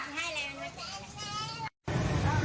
ไม่เอา